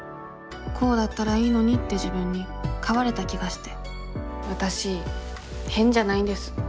こうだったらいいのにって自分に変われた気がしてわたし変じゃないんです。